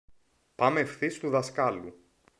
Πάμε ευθύς στου δασκάλου.